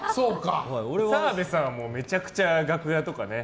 澤部さんもめちゃくちゃ楽屋とかね